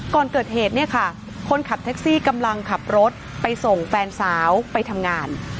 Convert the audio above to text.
ก่อนเกิดเหตุเนี่ยค่ะคนขับแท็กซี่กำลังขับรถไปส่งแฟนสาวไปทำงาน